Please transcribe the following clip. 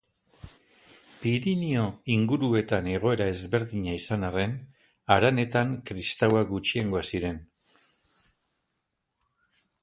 Pirinio inguruetan egoera ezberdina izan arren, haranetan kristauak gutxiengoa ziren.